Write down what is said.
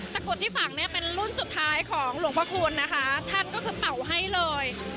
กุดที่ฝังเนี่ยเป็นรุ่นสุดท้ายของหลวงพระคุณนะคะท่านก็คือเป่าให้เลย